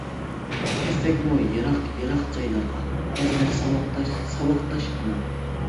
كەتسەكمۇ يىراق، يىراق جايلارغا، بىزلەر ساۋاقداش، ساۋاقداش ھامان.